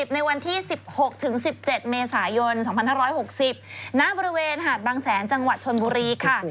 ในวันที่๑๖๑๗เมษายน๒๕๖๐ณบริเวณหาดบางแสนจังหวัดชนบุรีค่ะ